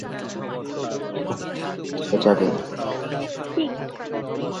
Tom আর কোথায় যাবে?